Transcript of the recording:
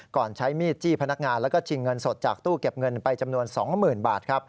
ใช้มีดจี้พนักงานแล้วก็ชิงเงินสดจากตู้เก็บเงินไปจำนวน๒๐๐๐บาทครับ